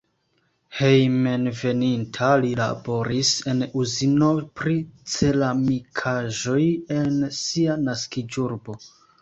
Hejmenveninta li laboris en uzino pri ceramikaĵoj en sia naskiĝurbo.